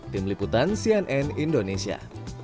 tim liputan cnn indonesia